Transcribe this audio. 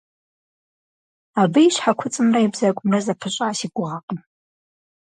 Абы и щхьэкуцӏымрэ и бзэгумрэ зэпыщӏа си гугъэкъым.